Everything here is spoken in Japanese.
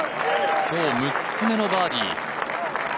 今日、６つ目のバーディー。